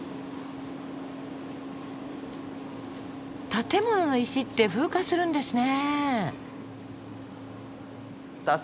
建物の石って風化するんですね。